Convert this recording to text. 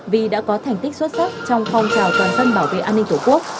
vì đã có thành tích xuất sắc trong phong trào toàn dân bảo vệ an ninh tổ quốc